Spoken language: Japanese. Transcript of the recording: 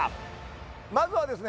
まずはですね